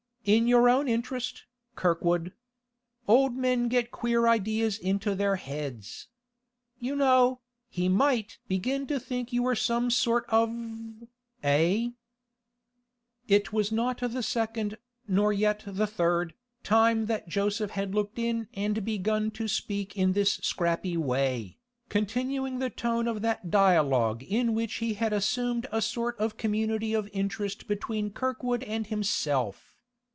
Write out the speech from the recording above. In your own interest, Kirkwood. Old men get queer ideas into their heads. You know, he might begin to think that you had some sort of—eh?' It was not the second, nor yet the third, time that Joseph had looked in and begun to speak in this scrappy way, continuing the tone of that dialogue in which he had assumed a sort of community of interest between Kirkwood and himself.